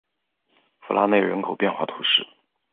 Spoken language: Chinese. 弗拉内人口变化图示